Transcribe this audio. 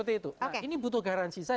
itu saudara kita